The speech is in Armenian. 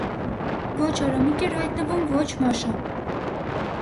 Ոչ Արամիկ էր հայտնվում, ո՛չ Մաշա: